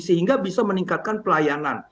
sehingga bisa meningkatkan pelayanan